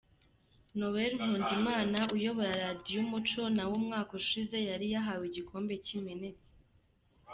Noel Nkundimana uyobora Radio Umucyo nawe umwaka ushize yari yahawe igikombe kimenetse.